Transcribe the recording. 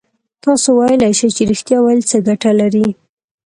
تاسو ویلای شئ چې رښتيا ويل څه گټه لري؟